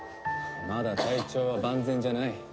まだ体調は万全じゃない。